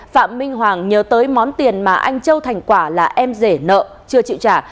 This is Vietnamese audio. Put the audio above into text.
phạm minh hoàng nhờ tới món tiền mà anh châu thành quả là em rể nợ chưa chịu trả